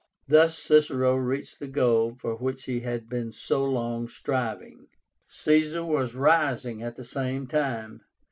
Thus Cicero reached the goal for which he had been so long striving. Caesar was rising at the same time.